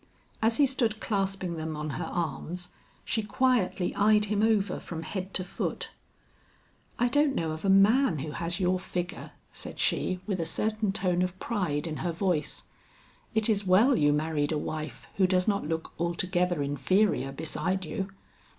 As he stood clasping them on her arms, she quietly eyed him over from head to foot. "I don't know of a man who has your figure," said she with a certain tone of pride in her voice; "it is well you married a wife who does not look altogether inferior beside you."